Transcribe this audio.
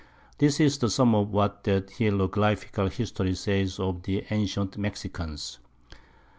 This is the Sum of what that Hieroglyphical History says of the antient Mexicans.